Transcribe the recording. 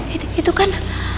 itu itu kan